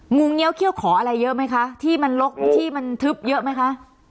งูเงี้ยเขี้ยวขออะไรเยอะไหมคะที่มันลกที่มันทึบเยอะไหมคะ